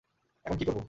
এখন কি করব?